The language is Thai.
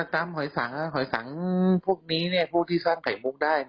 หอยสังหอยสังพวกนี้พวกที่สร้างไข่มุกได้